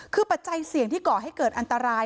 คือปัจจัยเสี่ยงที่ก่อให้เกิดอันตราย